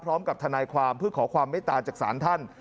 พร้อมกับทนายความเพื่อขอความไม่ตาจากศาลท่าน